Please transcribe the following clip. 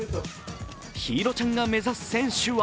緋彩ちゃんが目指す選手は